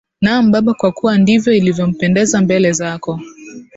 Naam Baba kwa kuwa ndivyo ilivyopendeza mbele zako